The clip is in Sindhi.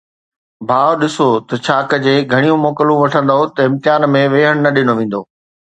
ڀاءُ، ڏسو ته ڇا ڪجي، گهڻيون موڪلون وٺندؤ ته امتحان ۾ ويهڻ نه ڏنو ويندو.